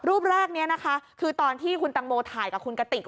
รูปแรกนี้นะคะคือตอนที่คุณตังโมถ่ายกับคุณกติก